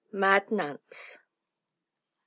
MAD NANCE. Mr.